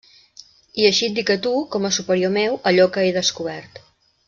I així et dic a tu, com a superior meu, allò que he descobert.